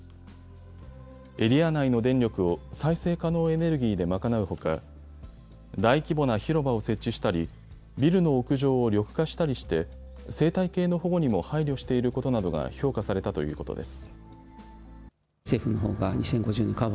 エリア内の電力を再生可能エネルギーで賄うほか大規模な広場を設置したりビルの屋上を緑化したりして生態系の保護にも配慮していることなどが評価されたということです。